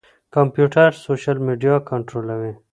کمپيوټر سوشل ميډيا کنټرولوي.